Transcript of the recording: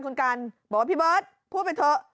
คุณกันบอกว่าพี่เบิร์ตพูดไปเถอะ